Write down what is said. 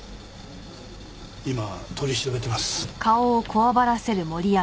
今取り調べてます。